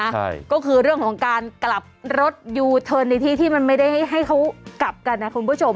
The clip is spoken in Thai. ใช่ก็คือเรื่องของการกลับรถยูเทิร์นในที่ที่มันไม่ได้ให้เขากลับกันนะคุณผู้ชม